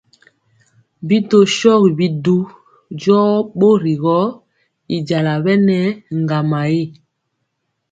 Bi tɔ shogi bidu jɔɔ bori gɔ, y jala bɛ nɛ ŋgama ri.